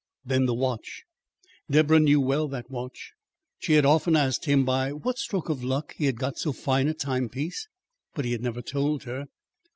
Then the watch! Deborah knew well that watch. She had often asked him by what stroke of luck he had got so fine a timepiece. But he had never told her.